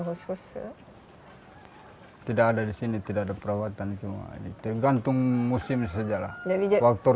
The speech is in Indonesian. khusus ya tidak ada di sini tidak ada perawatan cuma ini tergantung musim saja lah jadi faktor